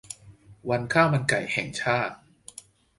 วันข้าวมันไก่แห่งชาติ